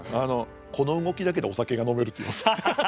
「この動きだけでお酒が飲める」って言います。